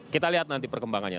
kita lihat nanti perkembangannya